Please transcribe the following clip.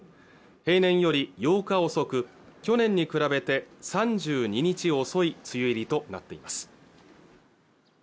平年より８日遅く去年に比べて３２日遅い梅雨入りとなっています